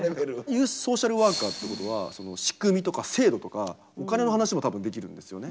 ユースソーシャルワーカーっていうことは仕組みとか制度とかお金の話も多分できるんですよね。